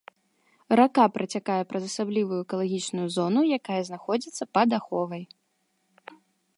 Рака працякае праз асаблівую экалагічную зону, якая знаходзіцца пад аховай.